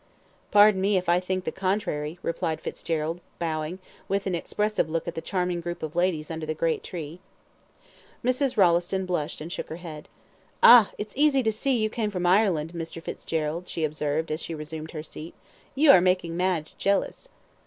"Pardon me if I think the contrary," replied Fitzgerald, bowing, with an expressive look at the charming group of ladies under the great tree. Mrs. Rolleston blushed and shook her head. "Ah! it's easy seen you come from Ireland, Mr. Fitzgerald," she observed, as she resumed her seat. "You are making Madge jealous."